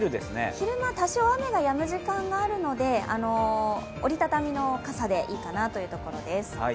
昼間、多少、雨がやむ時間があるので折り畳みの傘でいいかなというところです。